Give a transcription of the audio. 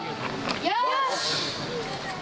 よし！